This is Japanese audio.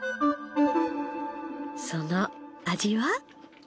その味は？